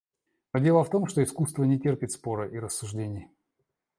Но дело в том, что искусство не терпит спора и рассуждений.